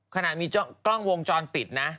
ขนาดมีกล้องวงจรปิดนะ